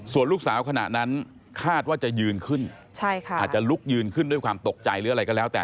ส่วนลูกสาวขณะนั้นคาดว่าจะยืนขึ้นใช่ค่ะอาจจะลุกยืนขึ้นด้วยความตกใจหรืออะไรก็แล้วแต่